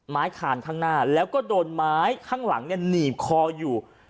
คานข้างหน้าแล้วก็โดนไม้ข้างหลังหนีบคออยู่